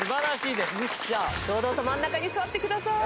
堂々と真ん中に座ってください。